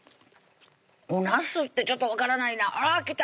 おなすってちょっと分からないなあっ来た